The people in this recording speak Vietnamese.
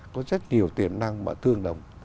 có rất nhiều tiềm năng mà tương đồng